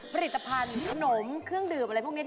ผมถูกกว่าเยอะ